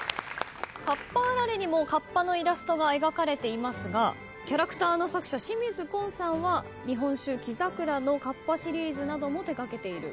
かっぱあられにもカッパのイラストが描かれていますがキャラクターの作者清水崑さんは日本酒黄桜のカッパシリーズなども手がけている。